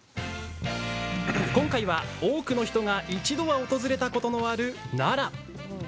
今回は、多くの人が一度は訪れたことのある奈良。